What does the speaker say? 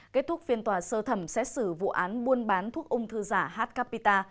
kết thúc phiên tòa sơ thẩm xét xử vụ án buôn bán thuốc ung thư giả h capita